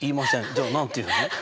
じゃあ何て言うの？